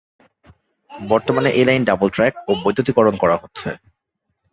বর্তমানে এই line double track ও বৈদ্যুতিকরণ করা হচ্ছে।